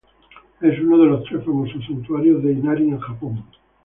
Es uno de los tres famosos santuarios de Inari en Japón.